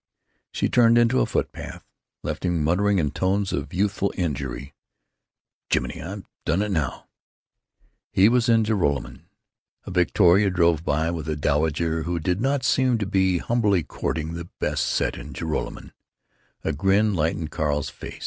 She turned into a footpath; left him muttering in tones of youthful injury, "Jiminy! I've done it now!" He was in Joralemon. A victoria drove by with a dowager who did not seem to be humbly courting the best set in Joralemon. A grin lightened Carl's face.